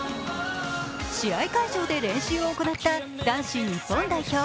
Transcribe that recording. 試合会場で練習を行った男子日本代表。